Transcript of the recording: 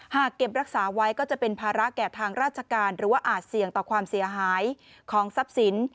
เก็บรักษาไว้ก็จะเป็นภาระแก่ทางราชการหรือว่าอาจเสี่ยงต่อความเสียหายของทรัพย์สิน